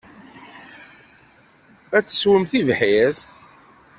Ad tesswem tibḥirt.